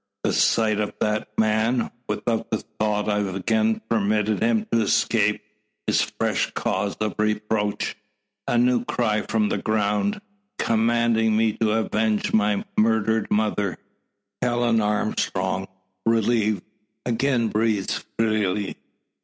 The sight of that man, with the thought I've again permitted him to escape, is fresh cause of reproach a new cry from the ground, commanding me to avenge my murdered mother." Helen Armstrong, relieved, again breathes freely.